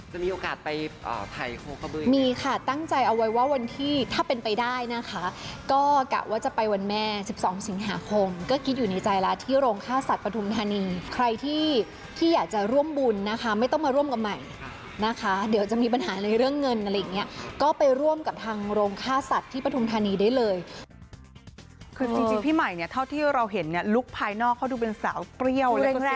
จะมีโอกาสไปไทยโค้กบื้อยไหมมีค่ะตั้งใจเอาไว้ว่าวันที่ถ้าเป็นไปได้นะคะก็กะว่าจะไปวันแม่๑๒สิงหาคมก็คิดอยู่ในใจแล้วที่โรงค่าศัตริย์ปฐุมธานีใครที่อยากจะร่วมบุญนะคะไม่ต้องมาร่วมกับใหม่นะคะเดี๋ยวจะมีปัญหาในเรื่องเงินอะไรอย่างเงี้ยก็ไปร่วมกับทางโรงค่าศัตริย์ที่ปฐุมธานีได้เลย